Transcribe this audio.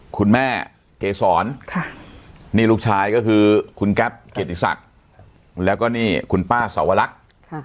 คุณแม่เกษรค่ะนี่ลูกชายก็คือคุณแก๊ปเกษฐิสักแล้วก็นี่คุณป้าสวรรคค่ะ